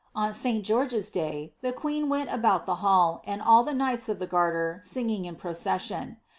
On 5l George^s day, the queen went about the hall, and all the knights of the garter, singing in procession.